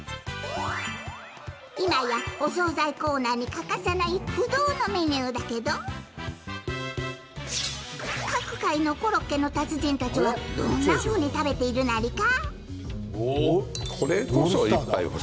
今やお総菜コーナーに欠かせない不動のメニューだけど各界のコロッケの達人たちはどんなふうに食べているナリか？